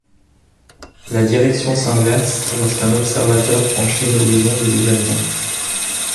La direction s'inverse lorsqu'un observateur franchit l'horizon des événements.